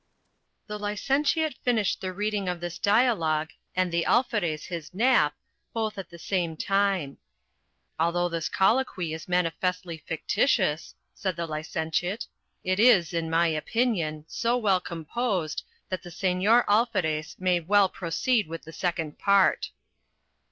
The licentiate finished the reading of this dialogue, and the Alferez his nap, both at the same time. "Although this colloquy is manifestly fictitious," said the licentiate, "it is, in my opinion, so well composed, that the Señor Alferez may well proceed with the second part."